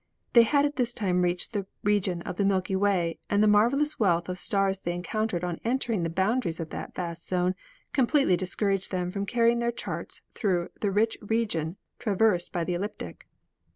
They had at this time reached the region of the Milky Way, and the marvelous wealth of stars they encountered on entering the boundaries of that vast zone completely discouraged them from carrying their charts through the rich region traversed by the ecliptic.